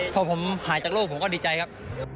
พอผมหายจากโลกผมก็ดีใจครับ